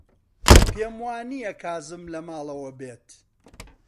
پێم وانییە کازم لە ماڵەوە بێت.